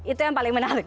itu yang paling menarik